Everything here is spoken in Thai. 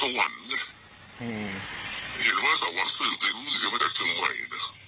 เห็นว่าสวรรค์สืบก็รู้สึกจะมาจากเชียงใหม่